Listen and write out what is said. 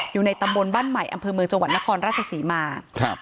อยู่ในตำบลบ้านใหม่อำเภอเมืองจังหวัดนครราชศรีมาครับ